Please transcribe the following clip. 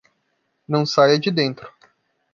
Não saia de dentro